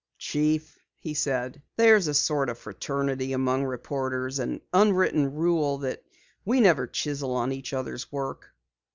"Chief," he said, "there's a sort of fraternity among reporters an unwritten rule that we never chisel on each other's work."